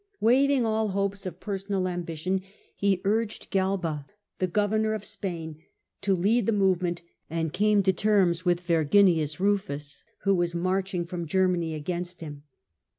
Waiving all hopes of personal ambition, he urged Galba, the governor of Spain, to lead the movement, and came to terms with Verginius Rufus, who was marching from mkenuphy Germany against him.